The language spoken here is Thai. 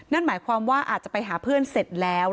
นั่นหมายความว่าอาจจะไปหาเพื่อนเสร็จแล้ว